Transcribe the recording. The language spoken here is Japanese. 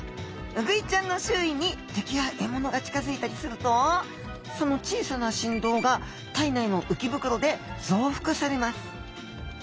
ウグイちゃんの周囲に敵や獲物が近づいたりするとその小さなしんどうが体内のうきぶくろでぞうふくされます。